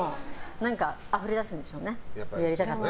あふれ出すんでしょうね。